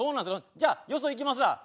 じゃあよそ行きますわ。